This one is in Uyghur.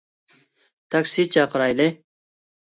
تاكسى چاقىرايلى.